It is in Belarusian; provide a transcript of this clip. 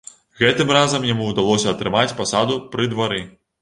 Гэтым разам яму ўдалося атрымаць пасаду пры двары.